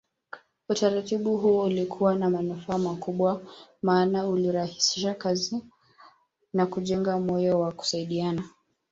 Utaratibu huu ulikuwa na manufaa makubwa maana ulirahisisha kazi na kujenga moyo wa kusaidiana